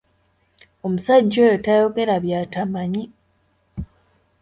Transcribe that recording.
Omusajja oyo tayogera by'atamanyi.